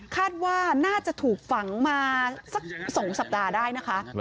คาดว่าน่าจะถูกฝังมาสัก๒สัปดาห์ได้นะคะ